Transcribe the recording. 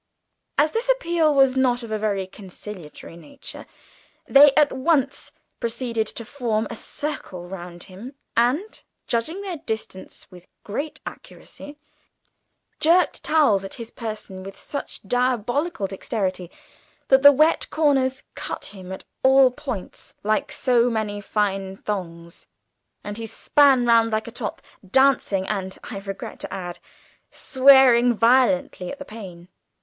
As this appeal was not of a very conciliatory nature they at once proceeded to form a circle round him and, judging their distance with great accuracy, jerked towels at his person with such diabolical dexterity that the wet corners cut him at all points like so many fine thongs, and he span round like a top, dancing, and, I regret to add, swearing violently, at the pain.